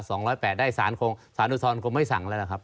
ของพยานปากเยาวชนนะครับ